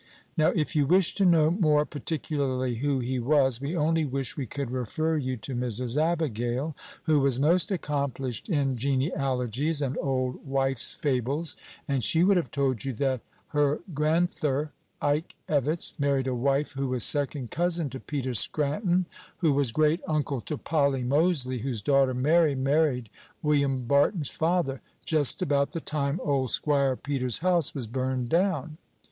Now, if you wish to know more particularly who he was, we only wish we could refer you to Mrs. Abigail, who was most accomplished in genealogies and old wifes' fables, and she would have told you that "her gran'ther, Ike Evetts, married a wife who was second cousin to Peter Scranton, who was great uncle to Polly Mosely, whose daughter Mary married William Barton's father, just about the time old 'Squire Peter's house was burned down."